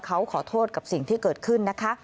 เขาขอโทษกับสิ่งที่เกิดขึ้นนะคะ